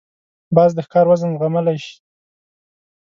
باز د ښکار وزن زغملای شي